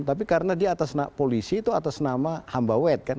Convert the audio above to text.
tapi karena dia atas polisi itu atas nama hambawet kan